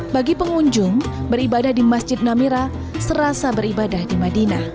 bagi pengunjung beribadah di masjid namira serasa beribadah di madinah